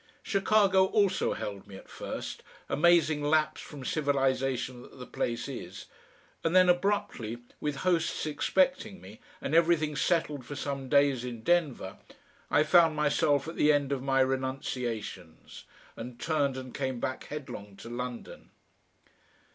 Chicago also held me at first, amazing lapse from civilisation that the place is! and then abruptly, with hosts expecting me, and everything settled for some days in Denver, I found myself at the end of my renunciations, and turned and came back headlong to London.